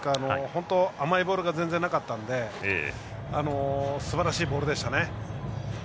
本当、甘いボールが全然出なかったのですばらしいボールでしたね。